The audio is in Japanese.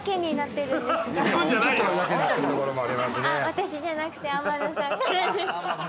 私じゃなくて天野さん。